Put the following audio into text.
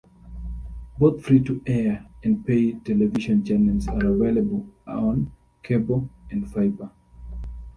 Both free-to-air and pay television channels are available on cable and fiber.